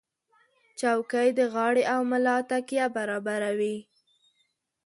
چوکۍ د غاړې او ملا تکیه برابروي.